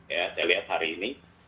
ya saya lihat hari ini